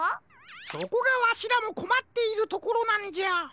そこがわしらもこまっているところなんじゃ。